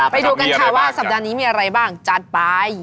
ไปดูกันค่ะว่าสัปดาห์นี้มีอะไรบ้างจัดไป